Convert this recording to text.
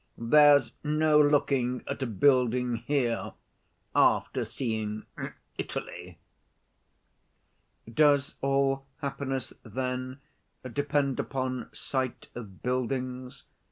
There's no looking at a building here after seeing Italy." "Does all happiness, then, depend upon sight of buildings?"